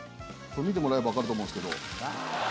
見てもらえばわかると思うんですけど。